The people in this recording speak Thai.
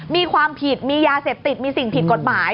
มีความผิดมียาเสพติดมีสิ่งผิดกฎหมาย